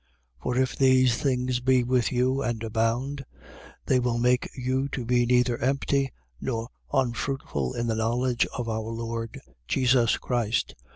1:8. For if these things be with you and abound, they will make you to be neither empty nor unfruitful in the knowledge of our Lord Jesus Christ.